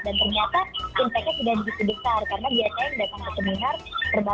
dan ternyata kesanannya sudah sedikit besar karena biasanya yang datang ke seminar terbatas